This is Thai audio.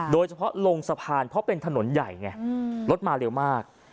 โดยเฉพาะลงสะพานเพราะเป็นถนนใหญ่ไงรถมาเร็วมาก